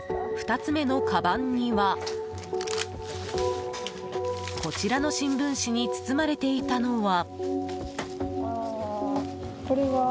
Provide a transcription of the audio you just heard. ２つ目のかばんにはこちらの新聞紙に包まれていたのは。